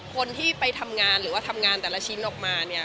คนที่ไปทำงานหรือว่าทำงานแต่ละชิ้นออกมาเนี่ย